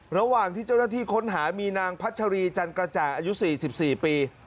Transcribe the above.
ระหว่างที่เจ้าหน้าที่ค้นหามีนางพัชรีจันกระจ่างอายุ๔๔ปี